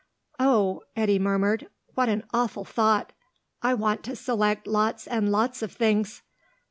"Oh," Eddy murmured, "what an awful thought! I want to select lots and lots of things!"